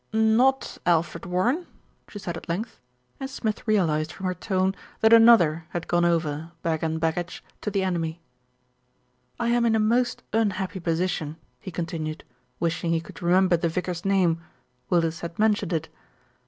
"Not Alfred Warren?" she said at length, and Smith realised from her tone that another had gone over, bag and baggage, to the enemy. "I am in a most unhappy position," he continued, wishing he could remember the vicar's name, Willis had mentioned it.